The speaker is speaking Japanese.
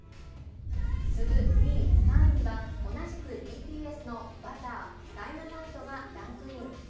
次ぐ２位、３位には同じくＢＴＳのＢｕｔｔｅｒ、Ｄｙｎａｍｉｔｅがランクイン。